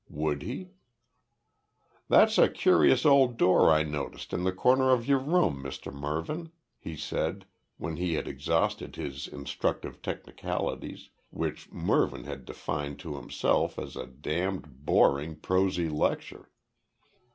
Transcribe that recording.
Would he? "That's a curious old door I noticed in the corner of your room, Mr Mervyn," he said, when he had exhausted his instructive technicalities, which Mervyn had defined to himself as a damned boring prosy lecture.